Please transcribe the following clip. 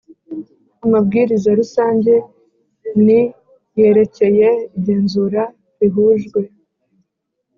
Amabwiriza rusange n yerekeye igenzura rihujwe